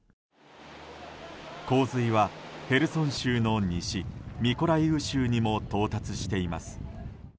洪水はヘルソン州の西ミコライウ州にも到達しています。